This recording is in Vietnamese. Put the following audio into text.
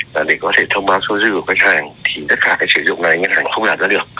và để có thể thông báo số dư của khách hàng thì tất cả cái sử dụng này ngân hàng không làm ra được